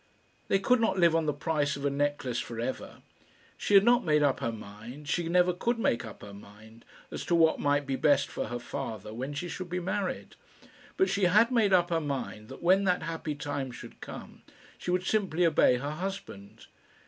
They could not live on the price of a necklace for ever. She had not made up her mind she never could make up her mind as to what might be best for her father when she should be married; but she had made up her mind that when that happy time should come, she would simply obey her husband.